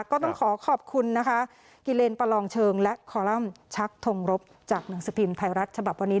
ก็ต้องขอขอบคุณนะคะกิเลนประลองเชิงและคอลัมป์ชักทงรบจากหนังสือพิมพ์ไทยรัฐฉบับวันนี้